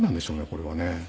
これはね。